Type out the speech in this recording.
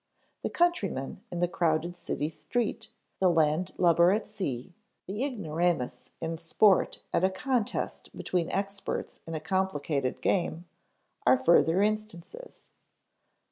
The countryman in the crowded city street, the landlubber at sea, the ignoramus in sport at a contest between experts in a complicated game, are further instances.